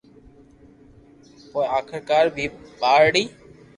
پوءِ آخرڪار، ٻي ٻارڙي؛